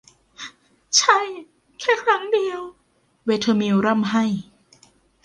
ใช่ แค่ครั้งเดียว เวเธอมิลล์ร่ำไห้